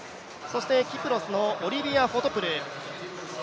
キプロスのオリビア・フォトプル。